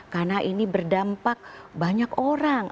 karena ini berdampak banyak orang